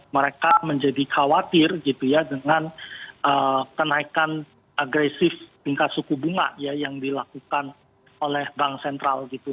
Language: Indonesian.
mereka menjadi khawatir gitu ya dengan kenaikan agresif tingkat suku bunga yang dilakukan oleh bank sentral gitu